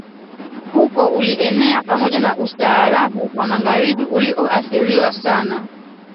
huko ulienea pamoja na ustaarabu wa magharibi ulioathiriwa sana